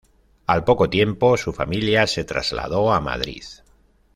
Al poco tiempo su familia se trasladó a Madrid.